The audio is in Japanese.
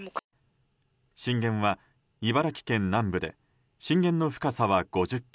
震源は茨城県南部で震源の深さは５０ｋｍ。